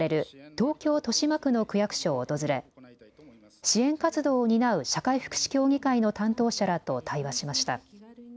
東京豊島区の区役所を訪れ支援活動を担う社会福祉協議会の担当者らと対話しました。